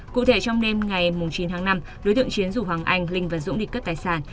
cụ thể trong đêm ngày chín tháng năm đối tượng chiến rủ hoàng anh linh và dũng đi cướp tài sản